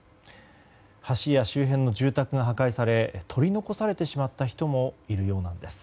橋や周辺の住宅が破壊され取り残されてしまった人もいるようなんです。